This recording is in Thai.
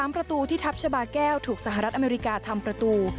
ประตูที่ทัพชาบาแก้วถูกสหรัฐอเมริกาทำประตู